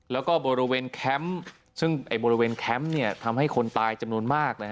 แล้วก็บริเวณแคมป์ซึ่งบริเวณแคมป์ทำให้คนตายจำนวนมาก